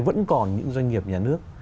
vẫn còn những doanh nghiệp nhà nước